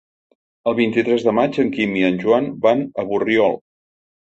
El vint-i-tres de maig en Guim i en Joan van a Borriol.